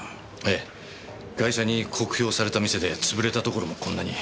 ええガイシャに酷評された店で潰れたところもこんなに。